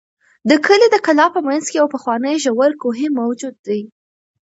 د کلي د کلا په منځ کې یو پخوانی ژور کوهی موجود دی.